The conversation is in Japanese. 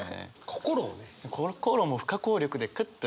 心をね。